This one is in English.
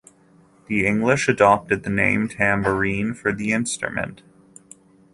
The English adopted the name tambourine for the instrument.